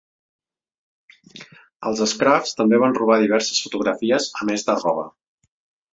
Els scruffs també van robar diverses fotografies a més de roba.